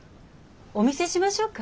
お見せしましょうか？